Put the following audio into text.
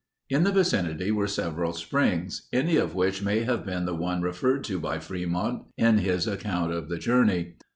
In the vicinity were several springs any of which may have been the one referred to by Fremont in his account of the journey.